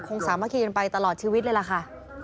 คงสามารถเขียนไปตลอดชีวิตเลยล่ะค่ะ